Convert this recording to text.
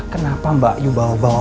kenapa mbak yu bawa bawa